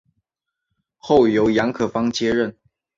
后由杨可芳接任。